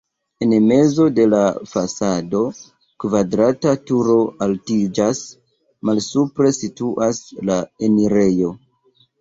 En mezo de la fasado kvadrata turo altiĝas, malsupre situas la enirejo.